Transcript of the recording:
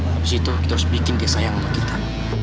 habis itu kita harus bikin dia sayang sama kita